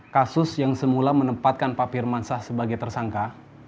kasus yang semula menempatkan pak pirmansah sebagai tersangka